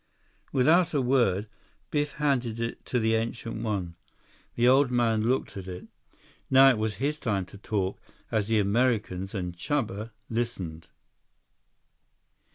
Without a word, Biff handed it to the Ancient One. The old man looked at it. Now it was his time to talk as the Americans and Chuba listened.